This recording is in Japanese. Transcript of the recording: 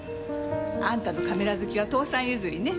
あんたのカメラ好きは父さん譲りね。